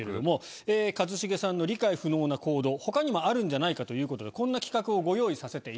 一茂さんの理解不能な行動他にもあるんじゃないかということでこんな企画をご用意させていただきました。